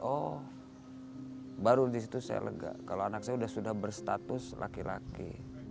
oh baru disitu saya lega kalau anak saya sudah berstatus laki laki